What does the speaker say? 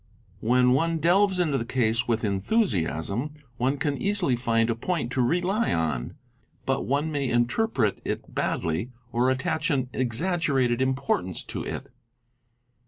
When one _ delves into the case with enthusiasm one can easily find a point to rely | on; but one may interpret it badly or attach an exaggerated importance to it.